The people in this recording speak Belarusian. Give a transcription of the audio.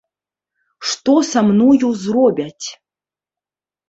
Што са мною зробяць?